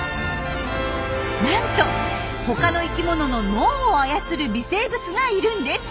なんと他の生きものの脳を操る微生物がいるんです！